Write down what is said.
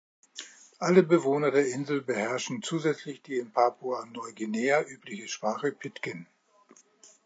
Alle Bewohner der Insel beherrschen zusätzlich die in Papua-Neuguinea übliche Sprache Pidgin.